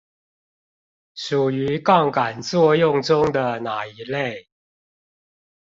屬於槓桿作用中的哪一類？